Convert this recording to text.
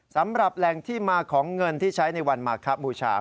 สำหรับแหล่งที่มาของเงินที่ใช้ในวันมาคบูชา